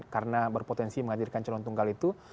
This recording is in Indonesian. karena berpotensi menghadirkan calon tunggal itu